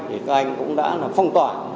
thì các anh cũng đã phong tỏa